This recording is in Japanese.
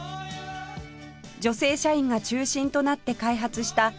女性社員が中心となって開発した焚き火台でした